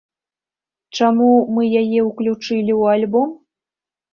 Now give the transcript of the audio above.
Чаму мы яе ўключылі ў альбом?